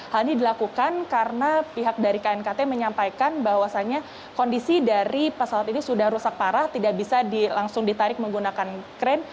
hal ini dilakukan karena pihak dari knkt menyampaikan bahwasannya kondisi dari pesawat ini sudah rusak parah tidak bisa langsung ditarik menggunakan kren